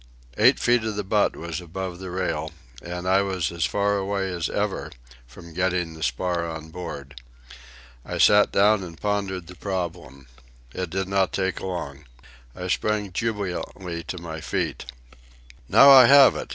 Eight feet of the butt was above the rail, and I was as far away as ever from getting the spar on board. I sat down and pondered the problem. It did not take long. I sprang jubilantly to my feet. "Now I have it!"